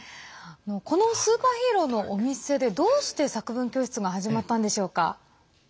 このスーパーヒーローのお店でどうして作文教室が始まったんでしょうか。